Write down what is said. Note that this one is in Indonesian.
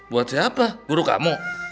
buat siapa guru kamu